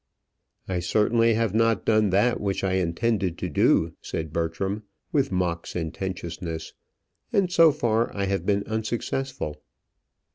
"I certainly have not done that which I intended to do," said Bertram, with mock sententiousness. "And so far I have been unsuccessful."